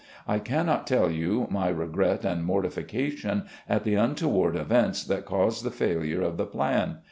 I can not tell you my regret and mortification at the untoward events that caused the failure of the plan.